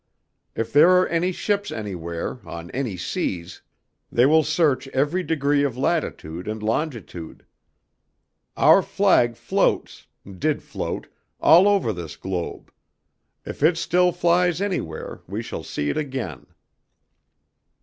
If there are any ships anywhere, on any seas, they will search every degree of latitude and longitude. Our flag floats, did float, all over this globe; if it still flies anywhere, we shall see it again."